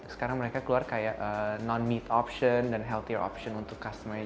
sekarang mereka keluar kayak option yang tidak memiliki daging dan option yang lebih sehat untuk pelanggan